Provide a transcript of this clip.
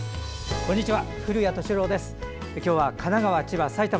こんにちは。